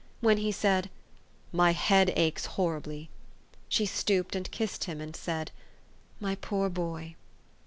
When he said, "My head aches horribly !" she stooped and kissed him, and said, " My poor boy